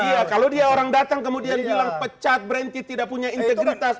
iya kalau dia orang datang kemudian bilang pecat berhenti tidak punya integritas